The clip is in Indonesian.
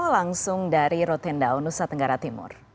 langsung dari rotendao nusa tenggara timur